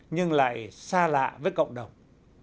nhưng lại xa lạ với cộng đồng